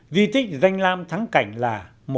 di tích danh lam thắng cảnh là